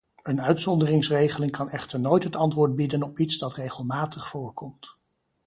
Een uitzonderingsregeling kan echter nooit het antwoord bieden op iets dat regelmatig voorkomt.